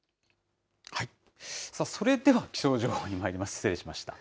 それでは気象情報にまいります、失礼しました。